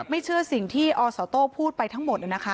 ไม่เชื่อสิ่งที่อศโต้งพูดไปทั้งหมดเลยนะคะ